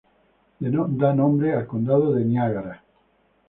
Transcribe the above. Da nombre al condado de Niágara.